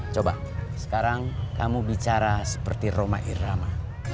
coba sekarang kamu bicara seperti roma irama